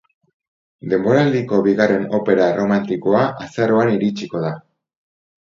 Denboraldiko bigarren opera erromantikoa azaroan iritsiko da.